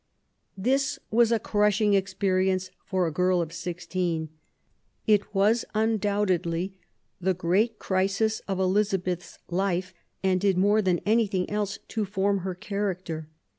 This was a crushing experience for a girl of sixteen. It was undoubtedly the great crisis of Elizabeth's life, and did more than anything else to form her character.